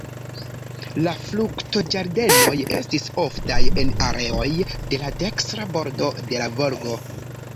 La fruktoĝardenoj estis oftaj en areoj de la dekstra bordo de la Volgo.